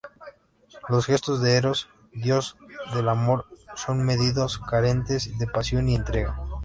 Los gestos de Eros, dios del Amor, son medidos, carentes de pasión y entrega.